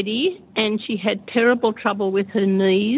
dan dia terlalu terlalu terlalu